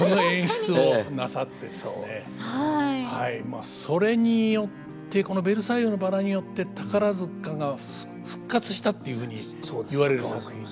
まあそれによってこの「ベルサイユのばら」によって宝塚が復活したっていうふうに言われる作品ですね。